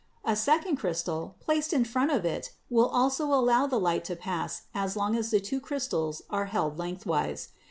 A second crystal placed in front of it will also allow the light to pass as long as the two crystals are held lengthwise.